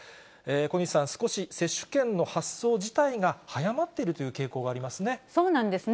小西さん、少し接種券の発送自体が早まっているという傾向がありますね。